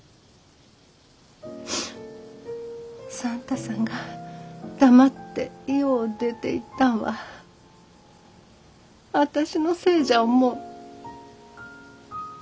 算太さんが黙って家を出ていったんは私のせいじゃ思う。